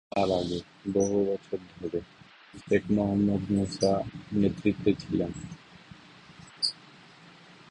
তার আগে, বহু বছর ধরে শেখ মোহাম্মদ মুসা নেতৃত্বে ছিলেন।